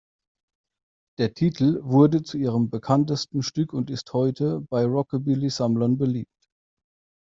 Der Titel wurde zu ihrem bekanntesten Stück und ist heute bei Rockabilly-Sammlern beliebt.